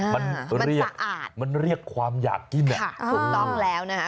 มันเรียกมันเรียกความอยากจิ้มถูกต้องแล้วนะฮะ